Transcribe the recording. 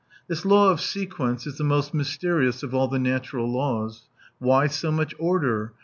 This law of sequence is the most mysterious of all the natural laws. Why so much order